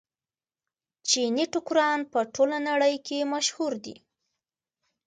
چیني ټوکران په ټوله نړۍ کې مشهور دي.